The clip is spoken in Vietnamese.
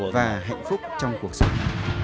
và hạnh phúc trong cuộc sống